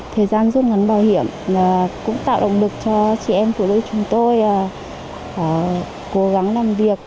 thời gian rút ngắn bảo hiểm cũng tạo động lực cho chị em phụ nữ chúng tôi cố gắng làm việc